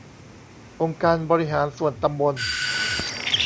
องค์การบริหารส่วนตำบล